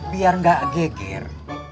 biar nggak geger